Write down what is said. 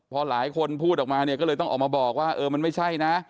พอหลายคนพูดออกมาเนี่ยก็เลยต้องออกมาบอกว่าเออมันไม่ใช่นะ